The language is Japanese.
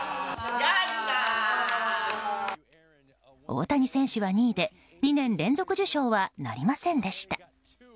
大谷選手は２位で２年連続受賞はなりませんでした。